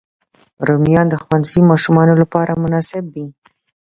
رومیان د ښوونځي ماشومانو لپاره مناسب دي